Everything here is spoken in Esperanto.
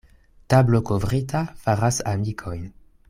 Tablo kovrita faras amikojn.